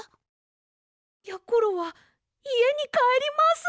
やころはいえにかえります！